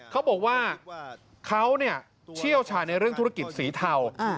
เขาบอกว่าเขาเชี่ยวชาญในเรื่องธุรกิจสีเทา